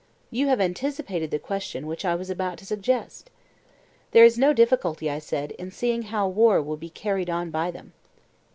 You have anticipated the question which I was about to suggest. There is no difficulty, I said, in seeing how war will be carried on by them.